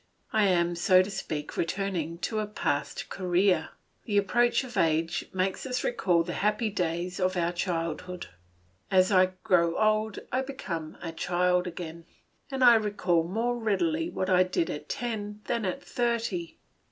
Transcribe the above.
I am, so to speak, returning to a past career. The approach of age makes us recall the happy days of our childhood. As I grow old I become a child again, and I recall more readily what I did at ten than at thirty.